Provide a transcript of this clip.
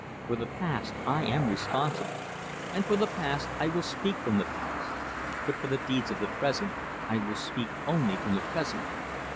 For the past I am responsible, and for the past I will speak from the past; but for the deeds of the present I will speak only from the present.